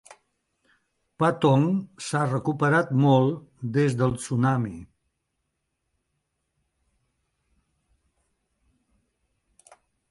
Patong s'ha recuperat molt des del tsunami.